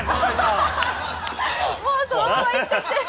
もうそのままいっちゃって。